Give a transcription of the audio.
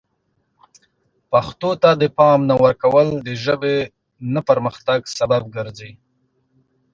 پښتو ته د پام نه ورکول د ژبې نه پرمختګ سبب ګرځي.